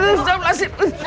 uf jangan mas